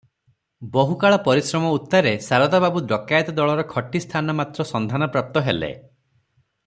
ବହୁକାଳ ପରିଶ୍ରମ ଉତ୍ତାରେ ଶାରଦା ବାବୁ ଡକାଏତ ଦଳର ଖଟି ସ୍ଥାନ ମାତ୍ର ସନ୍ଧାନ ପ୍ରାପ୍ତ ହେଲେ ।